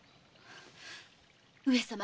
上様。